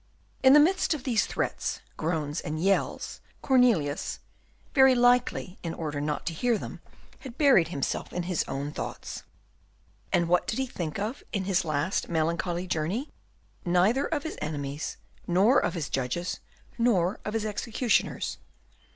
In the midst of these threats, groans, and yells, Cornelius, very likely in order not to hear them, had buried himself in his own thoughts. And what did he think of in his last melancholy journey? Neither of his enemies, nor of his judges, nor of his executioners.